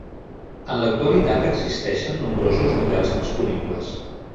En l'actualitat existeixen nombrosos models disponibles.